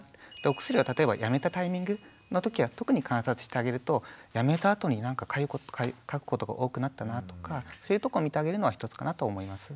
お薬を例えばやめたタイミングの時は特に観察してあげるとやめたあとになんかかくことが多くなったなとかそういうとこ見てあげるのは一つかなと思います。